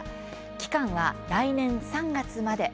期間は来年３月まで。